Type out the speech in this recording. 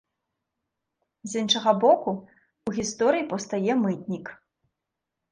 З іншага боку ў гісторыі паўстае мытнік.